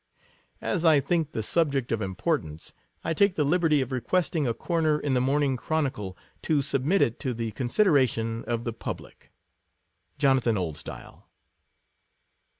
As I think the subject of importance, I take the liberty of requesting a corner in the Morning Chronicle, to submit it to the con sideration of the public. Jonathan Oldstyle.